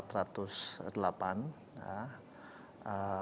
itu yang indikatornya